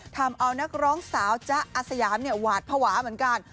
ทำเอานักร้องสาวจะอาสยามหวาดผวาเหมือนกัน